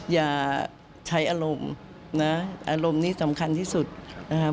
อย่าใช้อารมณ์นะอารมณ์นี้สำคัญที่สุดนะครับ